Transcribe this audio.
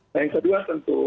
nah yang kedua tentu